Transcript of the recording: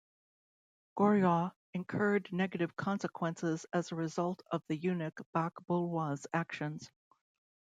Goryeo incurred negative consequences as a result of the eunuch Bak Bulhwa's actions.